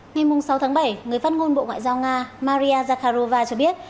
ngày sáu tháng bảy người phát ngôn bộ ngoại giao nga maria zakharova cho biết